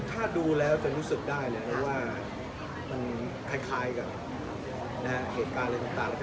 ถ้าดูแล้วจะรู้สึกได้เลยว่ามันคล้ายกับเหตุการณ์อะไรต่าง